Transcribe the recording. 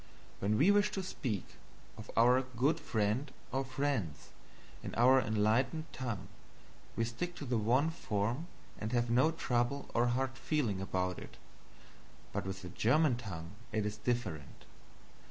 When we wish to speak of our "good friend or friends," in our enlightened tongue, we stick to the one form and have no trouble or hard feeling about it; but with the German tongue it is different.